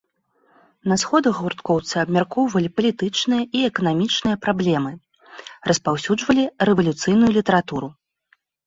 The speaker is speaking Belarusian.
На сходах гурткоўцы абмяркоўвалі палітычныя і эканамічныя праблемы, распаўсюджвалі рэвалюцыйную літаратуру.